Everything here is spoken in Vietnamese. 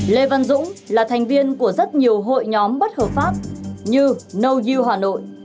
lê văn dũng là thành viên của rất nhiều hội nhóm bất hợp pháp như nâu you hà nội